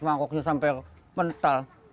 mangkuknya sampai mentah